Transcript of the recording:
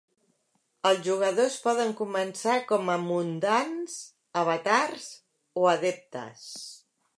Els jugadors poden començar com a "mundans", "avatars" o "adeptes".